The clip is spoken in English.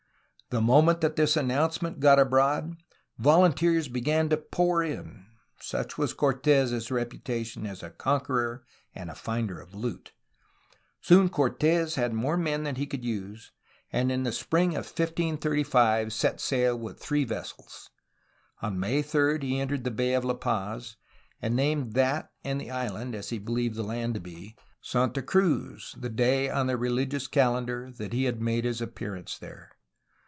The moment that this announce ment got abroad, volunteers began to pour in, — such was Cortes' reputation as a conqueror and finder of loot. Soon, Cortes had more men than he could use, and in the spring of 1535 set sail with three vessels. On May 3 he entered the Bay of La Paz, and named that and the island, as he believed the land to be, "Santa Cruz," the day on the religious calen dar that he had made his appearance there.